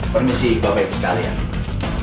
permisi bapak ibu sekalian